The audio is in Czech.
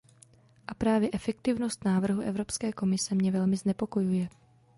A právě efektivnost návrhu Evropské komise mě velmi znepokojuje.